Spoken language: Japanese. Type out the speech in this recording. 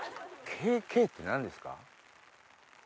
ＫＫって何ですか？